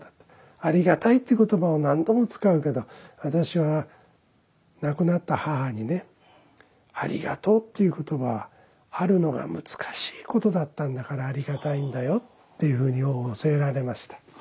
「ありがたい」っていう言葉を何度も使うけど私は亡くなった母にね「ありがとう」っていう言葉は有るのが難しいことだったんだからありがたいんだよっていうふうに教えられました。